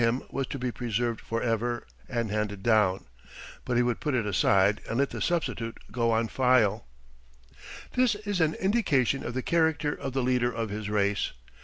That document addressed to him was to be preserved forever, and handed down; but he would put it aside and let the substitute go on file. This is an indication of the character of the leader of his race.